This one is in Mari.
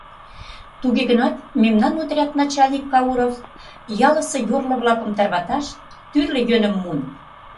Туге гынат мемнан отряд начальник Кауров ялысе йорло-влакым тарваташ тӱрлӧ йӧным муын.